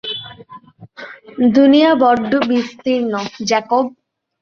দুনিয়া বড্ড বিস্তীর্ণ, জ্যাকব।